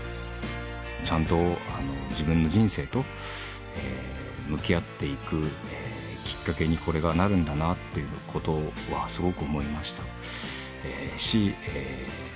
ちゃんと自分の人生と向き合っていくきっかけにこれがなるんだなっていうことは、すごく思いました。